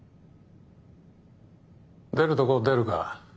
出るとこ出るか。